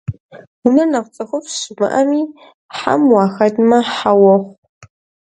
Уэр нэхъ цӏыхуфӏ щымыӏэми - хьэм уахэтмэ, хьэ уохъу.